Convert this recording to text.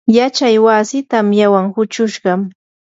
yachay wasii tamyawan huchushqam.